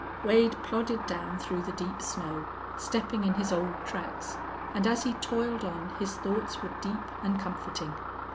Wade plodded down through the deep snow, stepping in his old tracks, and as he toiled on his thoughts were deep and comforting.